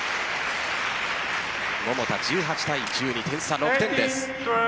桃田、１８対１２点差６点です。